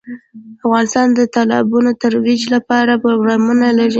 افغانستان د تالابونو د ترویج لپاره پروګرامونه لري.